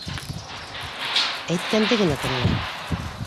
Әйткәнде генә тыңла!